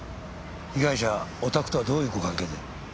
被害者おたくとはどういうご関係で？